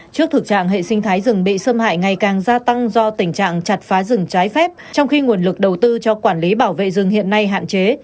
trước thực trạng hệ sinh thái rừng bị xâm hại ngày càng gia tăng do tình trạng chặt phá rừng trái phép trong khi nguồn lực đầu tư cho quản lý bảo vệ rừng hiện nay hạn chế